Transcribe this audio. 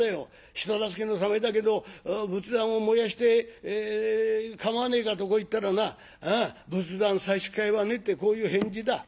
人助けのためだけど仏壇を燃やしてかまわねえかとこう言ったらな仏壇差し支えはねえってこういう返事だ」。